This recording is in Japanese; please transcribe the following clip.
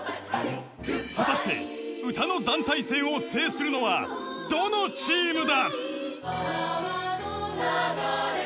［果たして歌の団体戦を制するのはどのチームだ！］